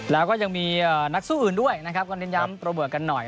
แล้วก็ยังมีนักสู้อื่นด้วยนะครับก็เน้นย้ำโปรเบิร์ตกันหน่อย